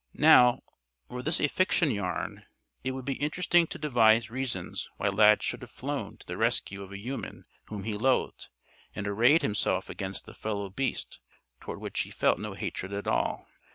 Now, were this a fiction yarn, it would be interesting to devise reasons why Lad should have flown to the rescue of a human whom he loathed, and arrayed himself against a fellow beast toward which he felt no hatred at all.